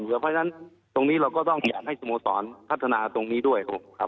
เพราะฉะนั้นตรงนี้เราก็ต้องอยากให้สโมสรพัฒนาตรงนี้ด้วย